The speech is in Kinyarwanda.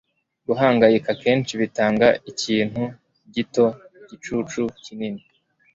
Guhangayika akenshi bitanga ikintu gito igicucu kinini.”